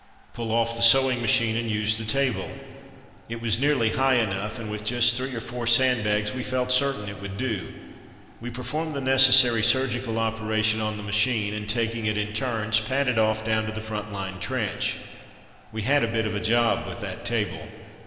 Pull off the sewing machine, and use the table. It was nearly high enough, and with just three or four sandbags we felt certain it would do. We performed the necessary surgical operation on the machine, and taking it in turns, padded off down to the front line trench. We had a bit of a job with that table.